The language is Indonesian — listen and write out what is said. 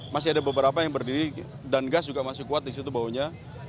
masih ada beberapa yang berdiri dan gas juga masih kuat di situ baunya